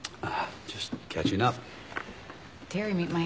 ああ。